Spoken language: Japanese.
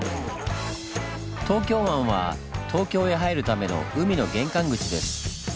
東京湾は東京へ入るための海の玄関口です。